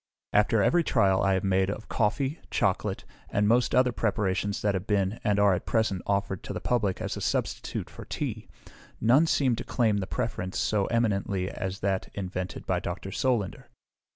After every trial I have made of coffee, chocolate, and most other preparations that have been, and are at present, offered to the public as a substitute for tea, none seem to claim the preference so eminently as that invented by Dr. Solander.